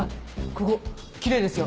ここキレイですよ。